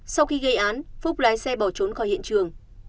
sau khi gây án phúc lái xe bỏ trốn khỏi hiện trường